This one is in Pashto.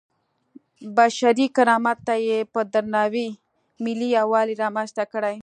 بشري کرامت ته یې په درناوي ملي یووالی رامنځته کړی.